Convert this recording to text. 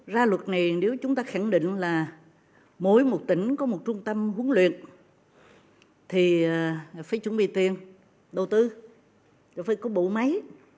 ra luật này nếu chúng ta khẳng định là mỗi một tỉnh có một trung tâm huấn luyện thì phải chuẩn bị tiền đầu tư phải có bộ máy